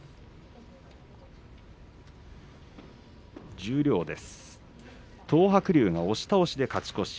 十両です。